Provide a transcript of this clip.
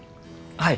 はい。